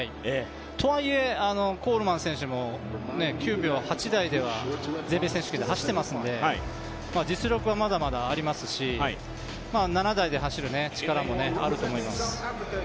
とはいえコールマン選手も９秒８台では全米選手権で走ってますので実力はまだまだありますし、７台で走る力もあると思います。